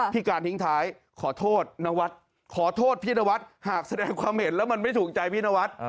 พี่การทิ้งท้ายขอโทษนวัดขอโทษพี่นวัดหากแสดงความเห็นแล้วมันไม่ถูกใจพี่นวัด